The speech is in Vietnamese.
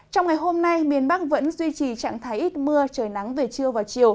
trong ngày hôm nay miền bắc vẫn duy trì trạng thái ít mưa trời nắng về trưa và chiều